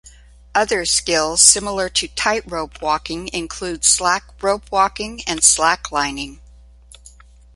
Other skills similar to tightrope walking include slack rope walking and slacklining.